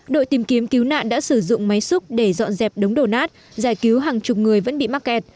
đội tìm kiếm cứu nạn đã sử dụng máy xúc để dọn dẹp đống đổ nát giải cứu hàng chục người vẫn bị mắc kẹt